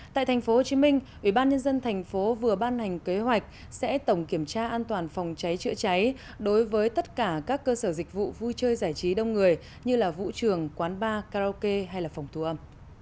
tại tp hcm ubnd tp vừa ban hành kế hoạch sẽ tổng kiểm tra an toàn phòng cháy chữa cháy đối với tất cả các cơ sở dịch vụ vui chơi giải trí đông người như vũ trường quán bar karaoke hay là phòng thu âm